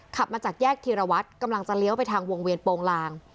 ขับมาจากแยกธีรวัตรกำลังจะเลี้ยวไปทางวงเวียนโปรงลาง